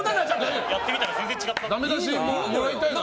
やってみたら全然違った。